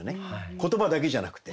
言葉だけじゃなくて。